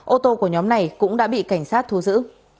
ô tô của nhóm này cũng đã bị cảnh sát thu giữ